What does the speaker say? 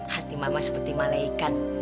hati mama seperti malaikat